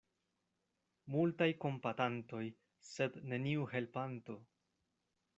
Multaj kompatantoj, sed neniu helpanto.